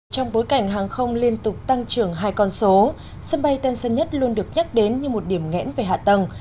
trong bối cảnh hàng không liên tục tăng trưởng hai con số sân bay tân sơn nhất luôn được nhắc đến như một điểm nghẽn về hạ tầng